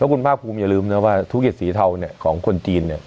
คุณภาคภูมิอย่าลืมนะว่าธุรกิจสีเทาเนี่ยของคนจีนเนี่ย